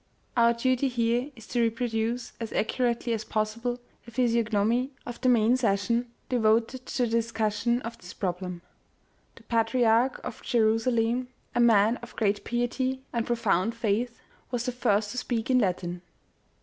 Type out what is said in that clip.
Our duty here is to reproduce as accurately as possible the physiognomy of the main session, devoted to the discussion of this problem. The patriarch of Jerusalem, a man of great piety and profound faith, was the first to speak in Latin.